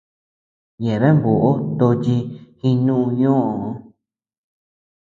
Yeabean bóʼo tochi jinuʼü ñóʼöo.